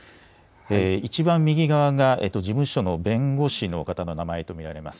一番右側が事務所の弁護士の方の名前と見られます。